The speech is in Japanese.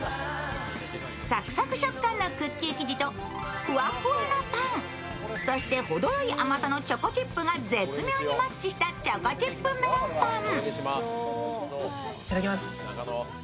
サクサク食感のクッキー生地とふわふわのパン、そしてほどよい甘さのチョコチップが絶妙にマッチしたチョコチップメロンパン。